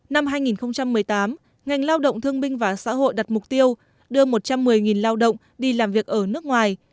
năm hai nghìn một mươi tám ngành lao động thương binh và xã hội đặt mục tiêu đưa một trăm một mươi lao động đi làm việc ở nước ngoài